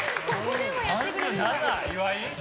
３７？岩井？